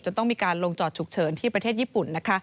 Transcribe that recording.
ต้องมีการลงจอดฉุกเฉินที่ประเทศญี่ปุ่นนะคะ